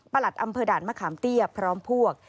หลัดอำเภอด่านมะขามเตี้ยพร้อมพวก